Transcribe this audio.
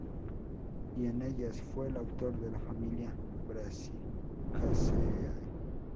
Y en ellas fue el autor de la familia Brassicaceae.